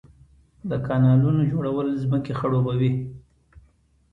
د کانالونو جوړول ځمکې خړوبوي.